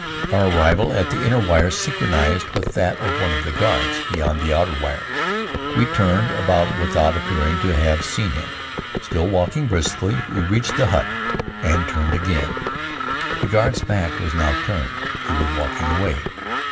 Our arrival at the inner wire synchronized with that of one of the guards beyond the outer wire. We turned about without appearing to have seen him. Still walking briskly, we reached the hut and turned again. The guard's back was now turned; he was walking away.